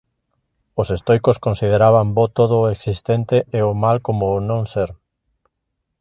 Os estoicos consideraban bo todo o existente e o mal como o non ser.